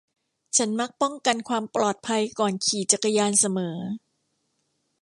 ฉันมักป้องกันความปลอดภัยก่อนขี่จักรยานเสมอ